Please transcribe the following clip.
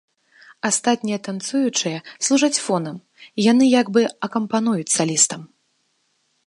Астатнія танцуючыя служаць фонам, яны як бы акампануюць салістам.